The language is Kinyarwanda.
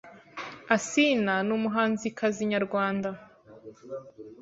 Asinah ni umuhanzikazi nyarwanda